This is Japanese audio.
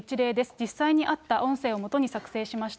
実際にあった音声をもとに作成しました。